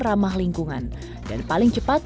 ramah lingkungan dan paling cepat